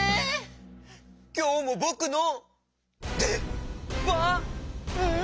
きょうもぼくのでばん？